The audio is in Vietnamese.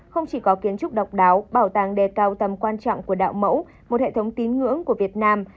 không chỉ có kiến trúc độc đáo bảo tàng đề cao tầm quan trọng của đạo mẫu một hệ thống tín ngưỡng của việt nam